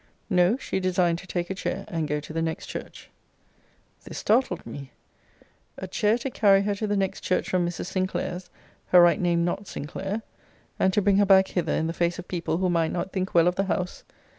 No: she designed to take a chair, and go to the next church. This startled me: A chair to carry her to the next church from Mrs. Sinclair's, her right name not Sinclair, and to bring her back hither in the face of people who might not think well of the house!